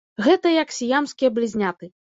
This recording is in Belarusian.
Гэта як сіямскія блізняты.